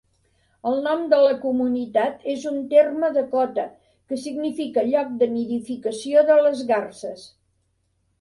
El nom de la comunitat és un terme dakota que significa lloc de nidificació de les garses.